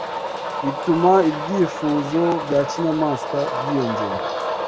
bituma ibyifuzo bya kinyamaswa byiyongera